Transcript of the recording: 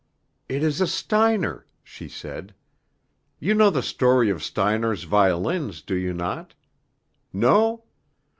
"It is a Steiner," she said. "You know the story of Steiner's violins, do you not? No?